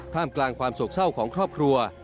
กลางความโศกเศร้าของครอบครัว